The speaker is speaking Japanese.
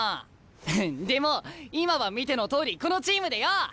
ヘヘッでも今は見てのとおりこのチームでよ！